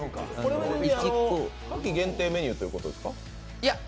夏季限定メニューということですか？